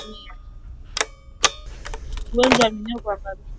Ugonjwa wa minyoo kwa ngamia